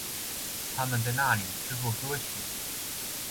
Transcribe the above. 他们在那里制作歌曲。